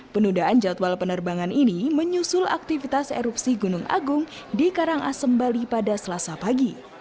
penundaan jadwal penerbangan ini menyusul aktivitas erupsi gunung agung di karangasem bali pada selasa pagi